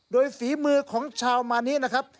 โดยฝีมือของชาวมานี้นะครับ